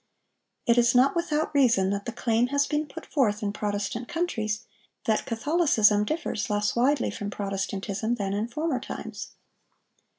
It is not without reason that the claim has been put forth in Protestant countries, that Catholicism differs less widely from Protestantism than in former times.